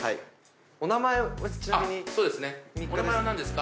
お名前は何ですか？